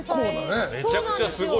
めちゃくちゃすごい。